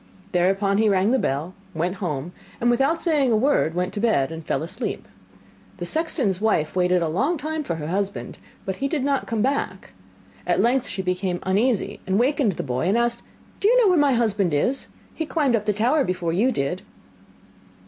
Thereupon he rang the bell, went home, and without saying a word went to bed, and fell asleep. The sexton's wife waited a long time for her husband, but he did not come back. At length she became uneasy, and wakened the boy, and asked: 'Do you know where my husband is? He climbed up the tower before you did.